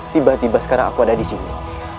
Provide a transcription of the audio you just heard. tiba tiba sekarang aku ada disini